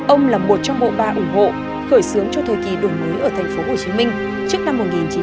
ông là một trong bộ ba ủng hộ khởi xướng cho thời kỳ đổi mới ở thành phố hồ chí minh trước năm một nghìn chín trăm tám mươi sáu